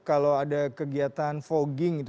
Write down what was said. kalau ada kegiatan fogging